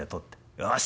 よし。